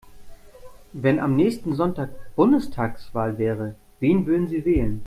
Wenn am nächsten Sonntag Bundestagswahl wäre, wen würden Sie wählen?